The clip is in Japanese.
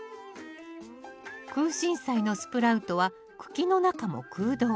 クウシンサイのスプラウトは茎の中も空洞。